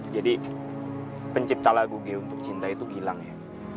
jadi pencipta lagu g untuk cinta itu gilang ya